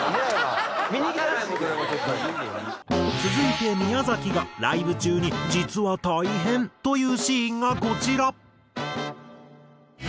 続いて宮崎がライブ中に実は大変というシーンがこちら。